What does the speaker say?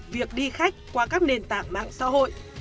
việc đi khách qua các nền tảng mạng xã hội